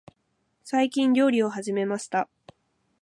最近、料理を始めました。